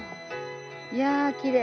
いやきれい。